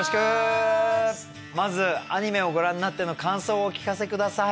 まずアニメをご覧になっての感想をお聞かせ下さい。